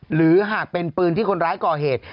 หรือหากเป็นปืนที่คนร้ายก่อเหตุ